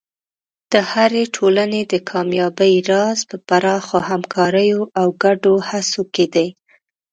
د هرې ټولنې د کامیابۍ راز په پراخو همکاریو او ګډو هڅو کې دی.